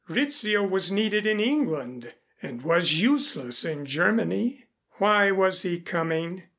Rizzio was needed in England and was useless in Germany. Why was he coming?